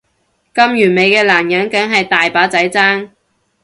咁完美嘅男人梗係大把仔爭